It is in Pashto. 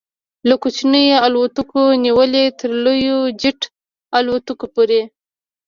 له کوچنیو الوتکو نیولې تر لویو جيټ الوتکو پورې